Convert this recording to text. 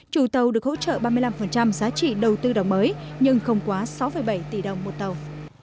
chủ tàu được hỗ trợ ba mươi năm giá trị đầu tư đồng mới nhưng không quá sáu bảy tỷ đồng một tàu